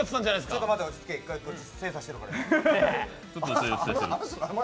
ちょっと待って落ち着け精査してるから。